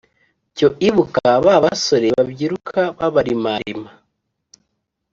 cyo ibuka ba basore babyiruka babarimarima